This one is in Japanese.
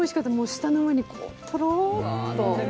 舌の上に、とろっと。